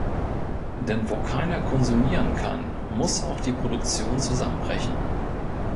Denn wo keiner konsumieren kann, muss auch die Produktion zusammenbrechen.